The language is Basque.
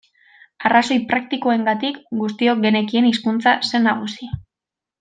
Arrazoi praktikoengatik guztiok genekien hizkuntza zen nagusi.